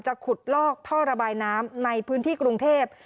ขุดลอกท่อระบายน้ำในพื้นที่กรุงเทพ